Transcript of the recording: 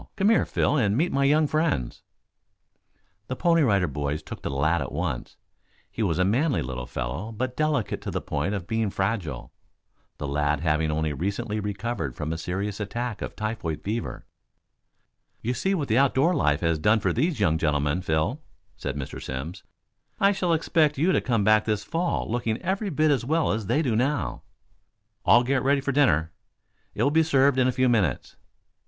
Come here, Phil and meet my young friends." The Pony Rider Boys took to the lad at once. He was a manly little fellow, but delicate to the point of being fragile, the lad having only recently recovered from a serious attack of typhoid fever. "You see what the outdoor life has done for these young gentlemen, Phil," said Mr. Simms. "I shall expect you to come back this fall, looking every bit as well as they do now. All get ready for dinner. It will be served in a few moments.